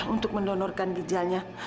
untuk mendonorkan gijalnya